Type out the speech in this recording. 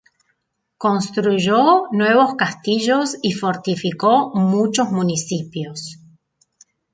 Construyó nuevos castillos y fortificó muchos municipios.